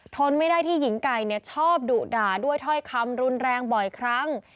ทนไม่ได้ที่หญิงไก่ชอบดุด่าด้วยถ้อยคำรุนแรงบ่อยครั้ง